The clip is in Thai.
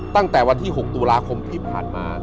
ตั้งแต่วันที่๖ตุลาคมที่ผ่านมา